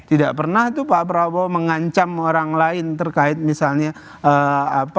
tidak pernah itu pak prabowo mengancam orang lain terkait misalnya apa